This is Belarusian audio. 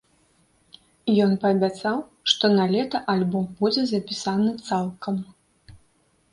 Ён паабяцаў, што налета альбом будзе запісаны цалкам.